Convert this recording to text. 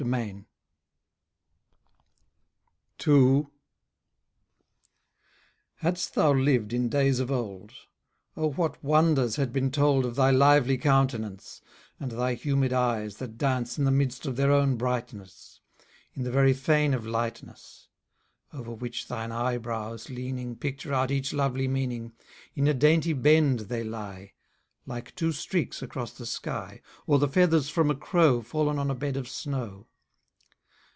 TO Hadst thou liv'd in days of old, O what wonders had been told Of thy lively countenance, And thy humid eyes that dance In the midst of their own brightness; In the very fane of lightness. Over which thine eyebrows, leaning, Picture out each lovely meaning: In a dainty bend they lie, Like two streaks across the sky, Or the feathers from a crow, Fallen on a bed of snow.